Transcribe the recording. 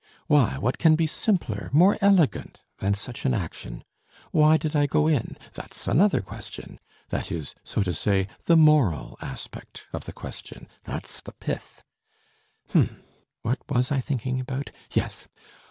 "Why, what can be simpler, more elegant than such an action? Why did I go in? That's another question! That is, so to say, the moral aspect of the question. That's the pith. "H'm, what was I thinking about, yes!